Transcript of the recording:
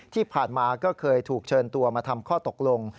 ที่ผ่านมาก็เคยถูกเชิญตัวมาทำข้อตกลง